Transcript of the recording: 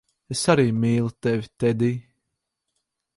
Es arī mīlu tevi, Tedij.